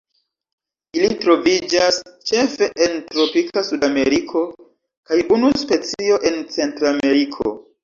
Ili troviĝas ĉefe en tropika Sudameriko, kaj unu specio en Centrameriko.